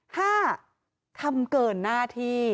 ห้าทำเกินหน้าที่